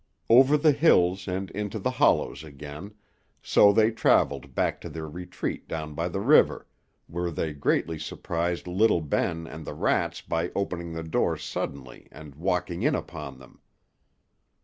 Over the hills and into the hollows again; so they travelled back to their retreat down by the river, where they greatly surprised little Ben and the rats by opening the door suddenly and walking in upon them.